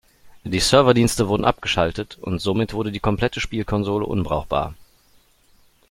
Die Serverdienste wurden abgeschaltet und somit wurde die komplette Spielkonsole unbrauchbar.